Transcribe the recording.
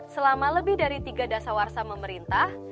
selama lebih dari tiga dasa warsa pemerintah